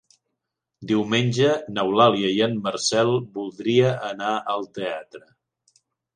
Diumenge n'Eulàlia i en Marcel voldria anar al teatre.